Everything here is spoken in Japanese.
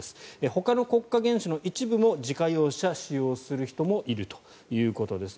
ほかの国家元首の一部も自家用車、使用する人もいるということです。